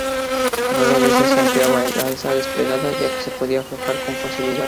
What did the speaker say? Raras veces se empleaba el alza desplegada, ya que se podía aflojar con facilidad.